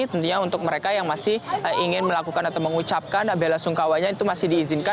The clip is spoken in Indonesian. tentunya untuk mereka yang masih ingin melakukan atau mengucapkan bela sungkawanya itu masih diizinkan